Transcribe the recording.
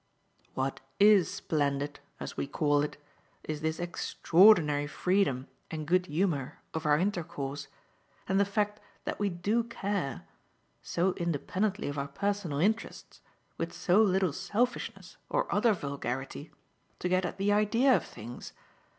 "What IS splendid, as we call it, is this extraordinary freedom and good humour of our intercourse and the fact that we do care so independently of our personal interests, with so little selfishness or other vulgarity to get at the idea of things.